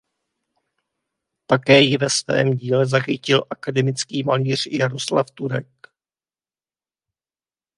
Také ji ve svém díle zachytil akademický malíř Jaroslav Turek.